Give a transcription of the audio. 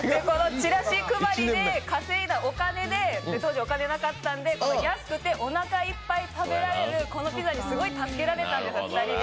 チラシ配りで稼いだお金で、当時、お金なかったので安くておなかいっぱい食べられるこのピザにすごい助けられたんです、２人で。